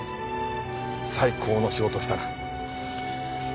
最高の仕事をしたな。